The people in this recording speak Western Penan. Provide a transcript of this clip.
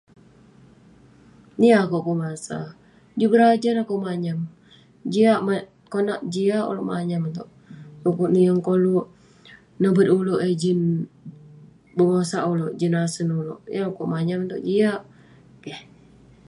Niah akouk pun masa, juk berajan akouk manyam. jiak ma- konak jiak ulouk manyam itouk, pu'kuk neh yeng koluk nobet ulouk eh jin bengosak ulouk, jin asen ulouk. yah du'kuk manyam itouk jiak. keh.